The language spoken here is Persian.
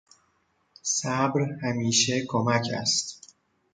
صبر همیشه کمک است.